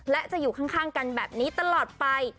และจะอยู่ข้างกันแบบนี้ตลอดไป